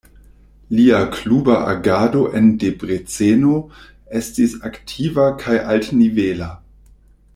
Lia kluba agado en Debreceno estis aktiva kaj altnivela.